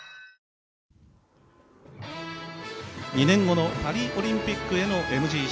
２年後のパリオリンピックへのＭＧＣ。